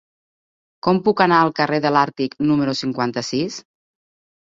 Com puc anar al carrer de l'Àrtic número cinquanta-sis?